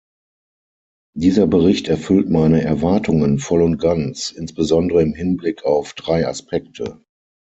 Dieser Bericht erfüllt meine Erwartungen voll und ganz, insbesondere im Hinblick auf drei Aspekte.